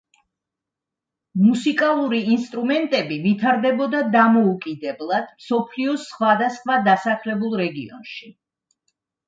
მუსიკალური ინსტრუმენტები ვითარდებოდა დამოუკიდებლად მსოფლიოს სხვადასხვა დასახლებულ რეგიონში.